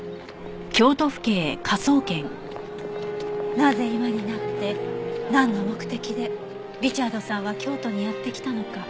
なぜ今になってなんの目的でリチャードさんは京都にやって来たのか。